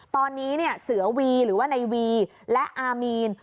ตอนนี้เสือวีหรือว่าในวีและอามีน